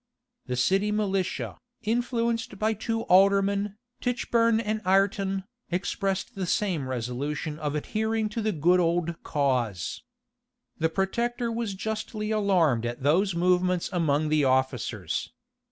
The city militia, influenced by two aldermen, Tichburn and Ireton, expressed the same resolution of adhering to the good old cause. The protector was justly alarmed at those movements among the officers.